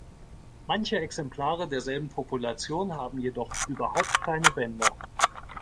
Manche Exemplare derselben Population haben jedoch überhaupt keine Bänder.